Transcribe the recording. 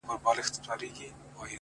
دننه ښه دی!! روح يې پر ميدان ښه دی!!